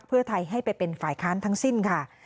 เพื่อไทยให้ไปเป็นฝ่ายค้านทั้งสิ้นค่ะ